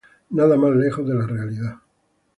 Nada más lejos de la realidad.